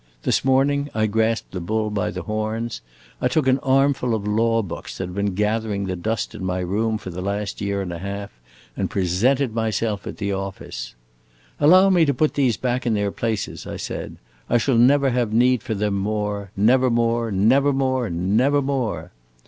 This morning I grasped the bull by the horns. I took an armful of law books that have been gathering the dust in my room for the last year and a half, and presented myself at the office. 'Allow me to put these back in their places,' I said. 'I shall never have need for them more never more, never more, never more!